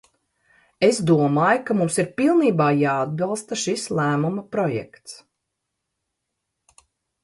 Es domāju, ka mums ir pilnībā jāatbalsta šis lēmuma projekts.